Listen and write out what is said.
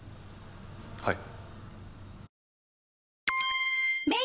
はい。